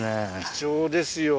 貴重ですよ。